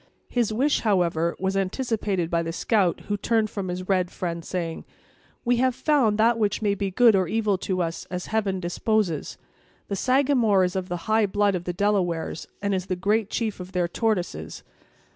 His wish, however, was anticipated by the scout who turned from his red friend, saying: "We have found that which may be good or evil to us, as heaven disposes. The Sagamore is of the high blood of the Delawares, and is the great chief of their Tortoises!